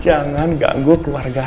jangan ganggu keluarga